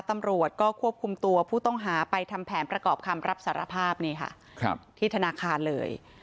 ตำรวจก็ควบคุมตัวผู้ต้องหาไปทำแผนประกอบคำรับสารภาพนี่ค่ะที่ธนาคารเลย